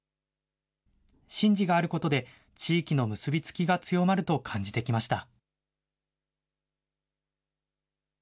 神事があることで、地域の結び付きが強まると感じてきました。